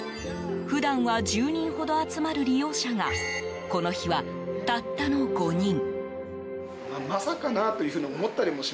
普段は１０人ほど集まる利用者がこの日は、たったの５人。